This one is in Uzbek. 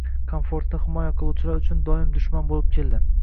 komfortini himoya qiluvchilar uchun doim dushman bo‘lib keldi.